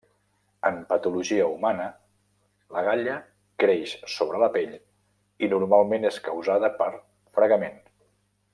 En patologia humana, l'agalla creix sobre la pell i normalment és causada per fregament.